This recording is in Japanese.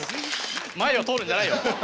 前を通るんじゃないよ。